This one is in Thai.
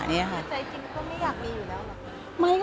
แต่ใจจริงก็ไม่อยากมีอยู่แล้วหรอก